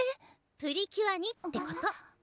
プリキュアにってこと！